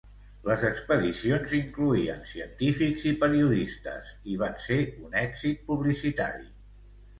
Les expedicions incloïen científics i periodistes, i van ser un èxit publicitari.